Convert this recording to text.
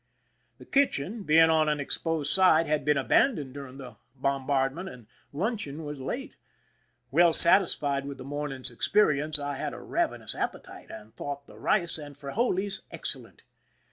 The kitchen, being on an exposed side, had been abandoned during the bombardment, and luncheon was late. Well satisfied with the morning's experi ence, I had a ravenous appetite, and thought the rice and frijoles excellent.